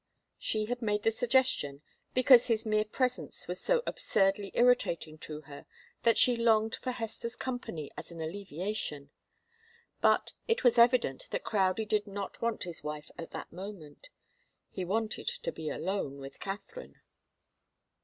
She had made the suggestion because his mere presence was so absurdly irritating to her that she longed for Hester's company as an alleviation. But it was evident that Crowdie did not want his wife at that moment. He wanted to be alone with Katharine.